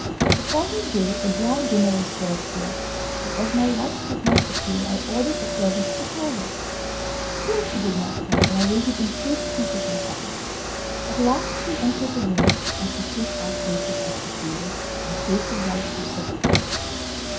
The following day a grand dinner was served to us but as my wife did not appear, I ordered a servant to call her. Still she did not come, and I waited impatiently for some time. At last she entered the room, and she took our places at the table, and plates of rice were set before us.